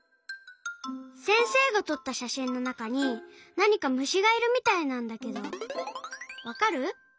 せんせいがとったしゃしんのなかになにかむしがいるみたいなんだけどわかる？